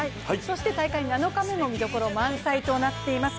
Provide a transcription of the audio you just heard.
大会７日目も見どころ満載となっています。